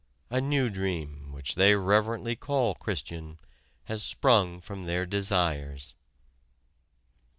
A new dream, which they reverently call Christian, has sprung from their desires.